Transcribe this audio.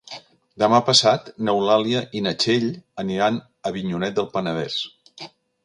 Demà passat n'Eulàlia i na Txell aniran a Avinyonet del Penedès.